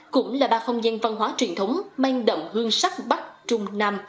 cũng là ba phong gian văn hóa truyền thống mang đậm hương sắc bắc trung nam